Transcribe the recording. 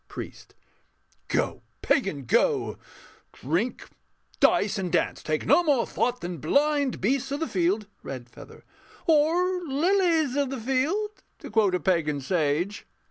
PRIEST. Go, pagan, go! Drink, dice, and dance: take no more thought than blind Beasts of the field.... REDFEATHER. Or ... lilies of the field, To quote a pagan sage.